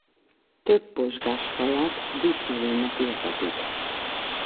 Több pozsgás faját dísznövénynek ültetik.